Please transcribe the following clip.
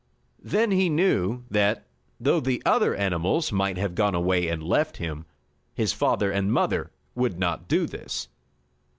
Then he knew, that, though the other animals might have gone away and left him, his father and mother would not do this.